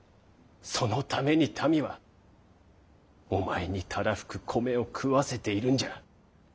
そのために民はお前にたらふく米を食わせているんじゃ。